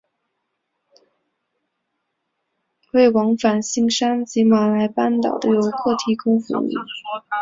为往返新山及马来半岛的旅客提供服务。